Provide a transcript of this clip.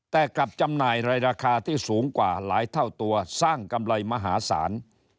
แต่กลับจำหน่ายในราคาที่สูงกว่าหลายเท่าตัวสร้างกำไรมหาศาล